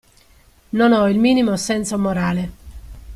Non ho il minimo senso morale.